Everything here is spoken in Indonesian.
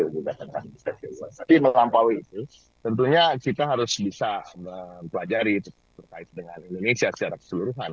berkait dengan indonesia secara keseluruhan